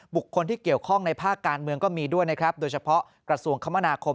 บุคคลที่เกี่ยวข้องในภาคการเมืองก็มีด้วยนะครับโดยเฉพาะกระทรวงคมนาคม